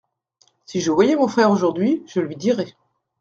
Si je voyais mon frère aujourd’hui, je lui dirais.